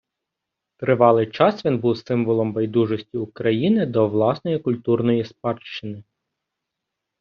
Тривалий час він був символом байдужості України до власної культурної спадщини.